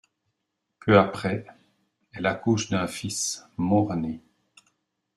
Peu après, elle accouche d'un fils mort-né.